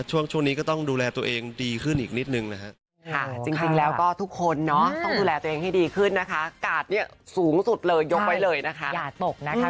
ช่วงนี้ก็ต้องดูแลตัวเองดีขึ้นอีกนิดนึงนะครับ